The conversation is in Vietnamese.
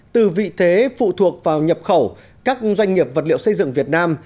từ vị thế phụ thuộc vào nhập khẩu các doanh nghiệp vật liệu xây dựng việt nam